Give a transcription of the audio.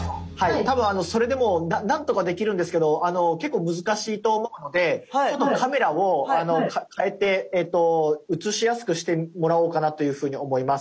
多分それでも何とかできるんですけど結構難しいと思うのでちょっとカメラを替えて映しやすくしてもらおうかなというふうに思います。